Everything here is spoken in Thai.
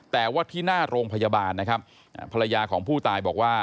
แต่ว่าที่หน้าโรงพยาบาลนะครับภรรยาของผู้ตายบอกว่า